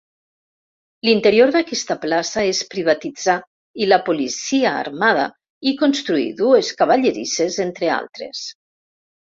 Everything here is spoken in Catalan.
L'interior d'aquesta plaça es privatitzà i la Policia Armada hi construí dues cavallerisses, entre altres.